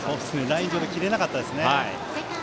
ライン上で切れなかったですね。